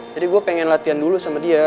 jadi gue pengen latihan dulu sama dia